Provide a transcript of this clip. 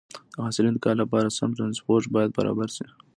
د حاصل انتقال لپاره سم ترانسپورت باید برابر شي.